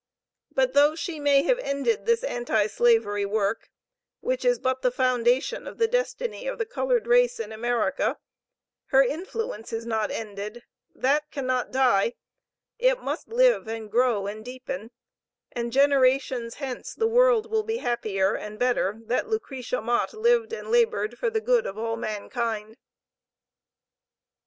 But though she may have ended this Anti slavery work, which is but the foundation of the destiny of the colored race in America, her influence is not ended that cannot die; it must live and grow and deepen, and generations hence the world will be happier and better that Lucretia Mott lived and labored for the good of all mankind.